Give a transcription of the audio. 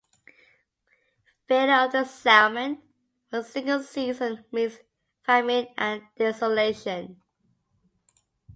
Failure of the salmon for a single season means famine and desolation.